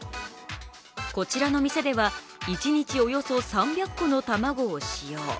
こちらの店では、一日およそ３００個の卵を使用。